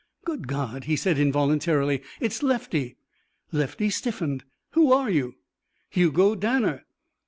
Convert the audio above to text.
"Good God," he said involuntarily, "it's Lefty!" Lefty stiffened. "Who are you?" "Hugo Danner."